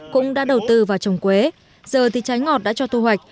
cũng đã đầu tư vào trồng quế giờ thì trái ngọt đã cho thu hoạch